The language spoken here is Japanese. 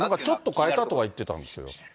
ちょっと変えたとは言ってたんですよ。